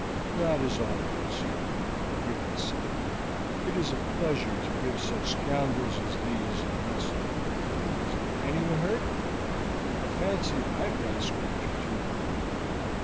"That is all right, sir," Gibbons said. "It is a pleasure to give such scoundrels as these a lesson. Is anyone hurt? I fancy I have got a scratch or two."